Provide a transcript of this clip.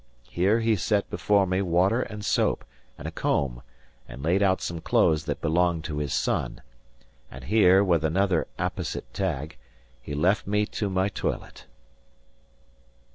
Here he set before me water and soap, and a comb; and laid out some clothes that belonged to his son; and here, with another apposite tag, he left me to my toilet.